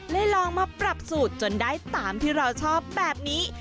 ลองมาปรับสูตรจนได้ตามที่เราชอบแบบนี้